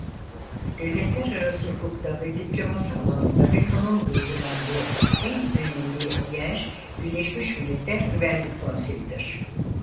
Devletlerarası hukukta ve diplomasi alanında vetonun uygulandığı en önemli yer Birleşmiş Milletler Güvenlik Konseyidir.